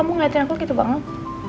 kamu ngeliatin aku gitu banget